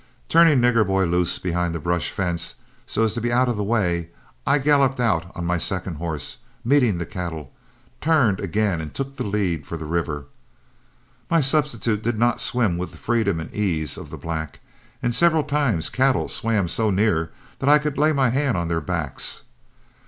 Turning Nigger Boy loose behind the brush fence, so as to be out of the way, I galloped out on my second horse, and meeting the cattle, turned and again took the lead for the river. My substitute did not swim with the freedom and ease of the black, and several times cattle swam so near me that I could lay my hand on their backs.